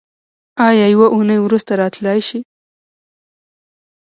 ایا یوه اونۍ وروسته راتلی شئ؟